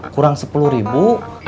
kurang sepuluh ribu